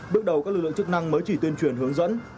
bước đầu các lực lượng chức năng mới chỉ tuyên truyền hướng dẫn